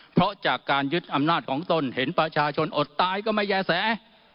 เพราะจากการยึดอำนาจของตนเห็นประชาชนอดตายก็ไม่แย่แส